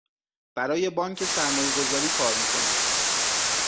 برای بانک سرمایه گذاری کار می کنم.